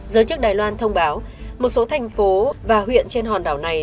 giới chức đài loan thông báo một số thành phố và huyện trên hòn đảo này